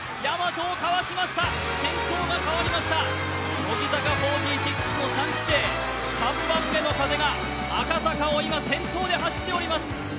先頭が変わりました、乃木坂４６の３期生３番目の風が赤坂を今、先頭を走っております。